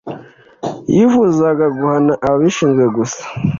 yifuzaga guhana ababishinzwe gusa